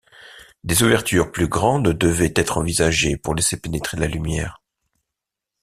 Des ouvertures plus grandes devaient être envisagées pour laisser pénétrer la lumière.